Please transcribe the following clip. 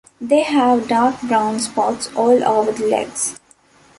They have dark brown spots all over the legs.